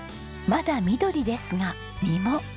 まだ緑ですが実も。